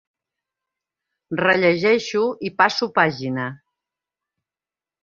Rellegeixo i passo pàgina.